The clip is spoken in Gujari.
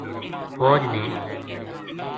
فوج نے